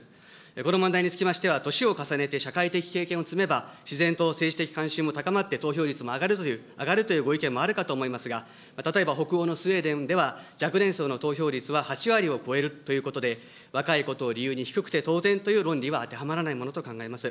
この問題につきましては、年を重ねて社会的経験を積めば、自然と政治的関心も高まって投票率も上がるというご意見もあるかと思いますが、例えば北欧のスウェーデンでは若年層の投票率は８割を超えるということで、若いことを理由に低くて当然という論理は当てはまらないものと考えます。